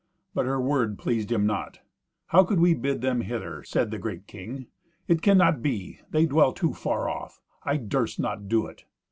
But her word pleased him not. "How could we bid them hither?" said the great king. "It cannot be. They dwell too far off. I durst not do it."